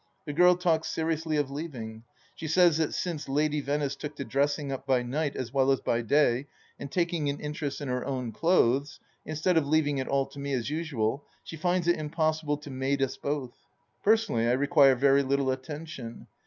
The girl talks seriously of leaving ; she says that since Lady Venice took to dressing up by night as well as by day and taking an interest in her own clothes, instead of leaving it all to me as usual, she finds it impossible to maid us both. Personally I require very little attention.